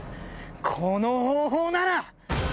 この方法なら！